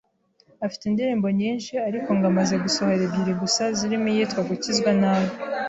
afite indirimbo nyinshi ariko ngo amaze gusohora ebyiri gusa zirimo iyitwa gukizwa nabi